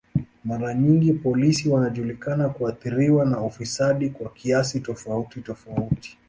Mara nyingi polisi wanajulikana kuathiriwa na ufisadi kwa kiasi tofauti tofauti.